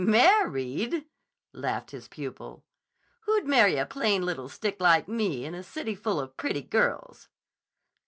"Married!" laughed his pupil. "Who'd marry a plain little stick like me in a city full of pretty girls?"